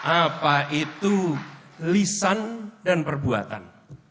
apa itu lisan dan perbuatan